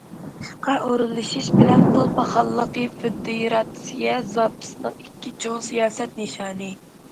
ئىشقا ئورۇنلىشىش بىلەن پۇل پاخاللىقى فېدېراتسىيە زاپىسىنىڭ ئىككى چوڭ سىياسەت نىشانى.